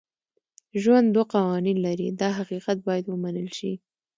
ژوند دوه قوانین لري دا حقیقت باید ومنل شي.